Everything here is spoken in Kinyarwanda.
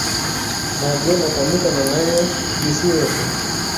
Ntabwo natandukana nayo kwisi yose.